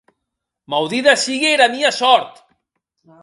Maudida sigue era mia sòrt!